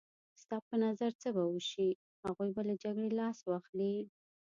ستا په نظر څه به وشي؟ هغوی به له جګړې لاس واخلي.